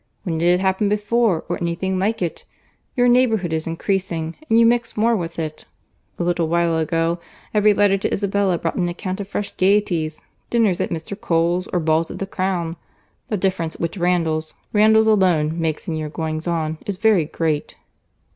—When did it happen before, or any thing like it? Your neighbourhood is increasing, and you mix more with it. A little while ago, every letter to Isabella brought an account of fresh gaieties; dinners at Mr. Cole's, or balls at the Crown. The difference which Randalls, Randalls alone makes in your goings on, is very great."